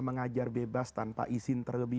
mengajar bebas tanpa izin terlebih